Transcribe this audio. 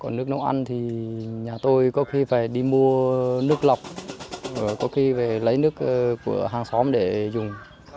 còn nước nấu ăn thì nhà tôi có khi phải đi mua nước lọc có khi về lấy nước của hàng xóm để dùng